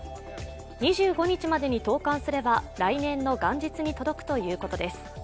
２５日までに投かんすれば来年の元日に届くということです。